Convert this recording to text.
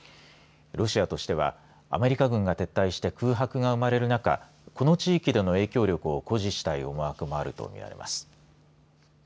ロシアとしてはアメリカ軍が撤退した空白が生まれる中この地域の影響を誇示したい思惑があるとみられます。